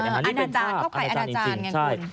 อันอาจารย์เข้าไปอันอาจารย์จริงใช่